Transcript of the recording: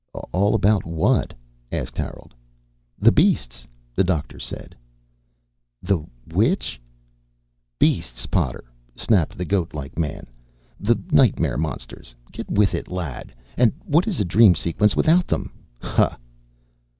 "All about what?" asked Harold. "The beasts," the doctor said. "The which?" "Beasts, Potter," snapped the goat like man. "The nightmare monsters. Get with it, lad. And what is a dream sequence without them? Ha!"